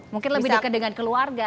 mungkin lebih dekat dengan keluarga